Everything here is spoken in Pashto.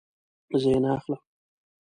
زه یی نه اخلم